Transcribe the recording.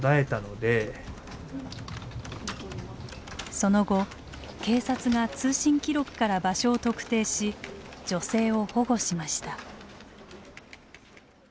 その後警察が通信記録から場所を特定し女性を保護しました。